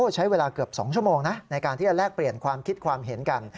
ใช้เวลาเกือบ๒ชั่วโมงนะในการที่จะแลกเปลี่ยนความคิดความเห็นกัน